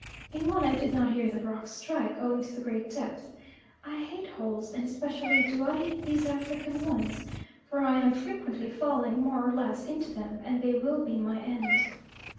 In one I did not hear the rocks strike, owing to the great depth. I hate holes, and especially do I hate these African ones, for I am frequently falling, more or less, into them, and they will be my end.